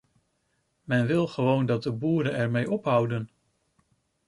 Men wil gewoon dat de boeren ermee ophouden!